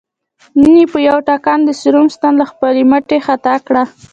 مينې په يوه ټکان د سيروم ستن له خپلې مټې خطا کړه